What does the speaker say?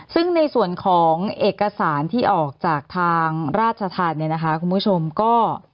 ซึ่งในส่วนของเอกสารที่ออกจากทางราชธรรมเนี่ยนะคะคุณผู้ชมก็